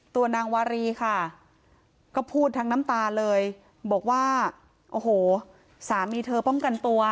ตัวนางวารีค่ะก็พูดทั้งน้ำตาเลยบอกว่าโอ้โหสามีเธอป้องกันตัว